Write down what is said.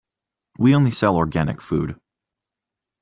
We only sell organic food.